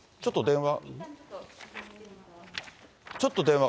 ちょっと電話。